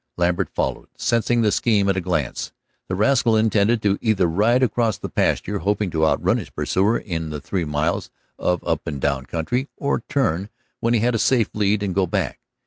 Lambert followed, sensing the scheme at a glance. The rascal intended to either ride across the pasture, hoping to outrun his pursuer in the three miles of up and down country, or turn when he had a safe lead and go back.